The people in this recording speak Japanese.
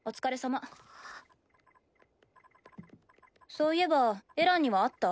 そういえばエランには会った？